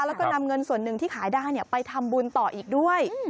แล้วก็นำเงินส่วนหนึ่งที่ขายได้ไปทำบุญต่ออีกด้วย